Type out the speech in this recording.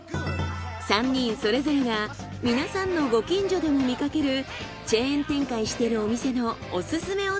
３人それぞれが皆さんのご近所でも見かけるチェーン展開しているお店のオススメ